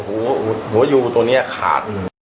หัวอยูขาด